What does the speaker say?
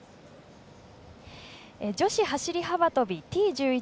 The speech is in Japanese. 女子走り幅跳びＴ１１